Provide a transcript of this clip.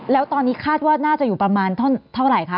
แล้วตอนนี้คาดว่าน่าจะอยู่ประมาณเท่าไหร่คะ